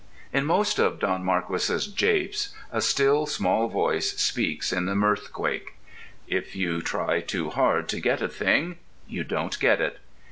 In most of Don Marquis's japes, a still small voice speaks in the mirthquake: If you try too hard to get a thing, you don't get it.